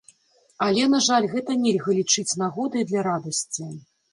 Але, на жаль, гэта нельга лічыць нагодай для радасці.